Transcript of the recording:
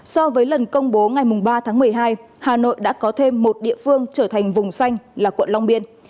so với lần công bố ngày ba tháng một mươi hai hà nội đã có thêm một địa phương trở thành vùng xanh là quận long biên